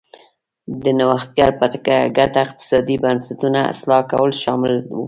د نوښتګرو په ګټه اقتصادي بنسټونو اصلاح کول شامل و.